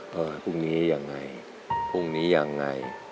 ว่าพรุ่งนี้ยังไงพรุ่งนี้ยังไง